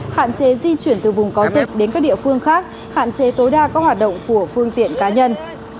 hạn chế di chuyển từ vùng có dịch đến các địa phương khác hạn chế tối đa các hoạt động của phương tiện cá nhân